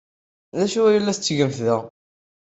D acu ay la tettgemt da?